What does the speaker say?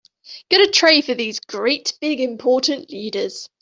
Get a tray for these great big important leaders.